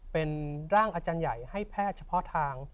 เป็นร่างอาจารย์ใหญ่ให้แพทย์เฉพาะทาง